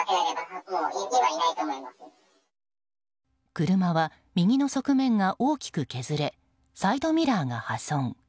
車は右の側面が大きく削れサイドミラーが破損。